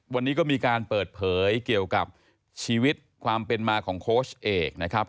วันนี้ก็มีการเปิดเผยเกี่ยวกับชีวิตความเป็นมาของโค้ชเอกนะครับ